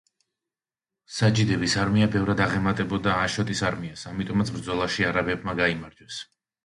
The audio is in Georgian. საჯიდების არმია ბევრად აღემატებოდა აშოტის არმიას, ამიტომაც ბრძოლაში არაბებმა გაიმარჯვეს.